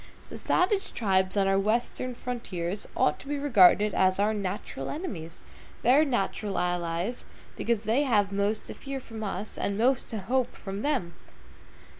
The savage tribes on our Western frontier ought to be regarded as our natural enemies, their natural allies, because they have most to fear from us, and most to hope from them.